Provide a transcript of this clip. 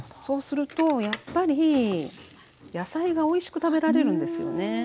そうするとやっぱり野菜がおいしく食べられるんですよね。